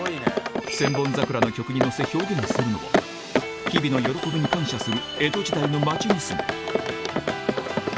『千本桜』の曲に乗せ表現するのは日々の喜びに感謝する